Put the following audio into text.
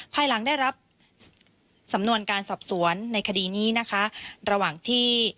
ภายหลังได้รับสำนวนการสอบสวนในคดีนี้นะคะระหว่างที่